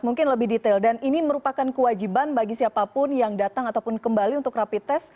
mungkin lebih detail dan ini merupakan kewajiban bagi siapapun yang datang ataupun kembali untuk rapid test